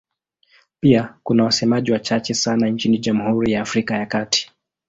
Pia kuna wasemaji wachache sana nchini Jamhuri ya Afrika ya Kati.